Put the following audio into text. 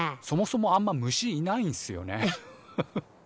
そもそもあんま虫いないんすよね。